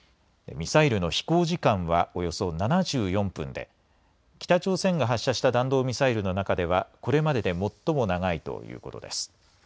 ミサイルの飛行時間はおよそ７４分で北朝鮮が発射した弾道ミサイルの中ではこれまでで最も長いということです。